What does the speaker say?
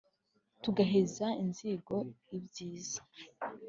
tugaheza inzigo i byiza.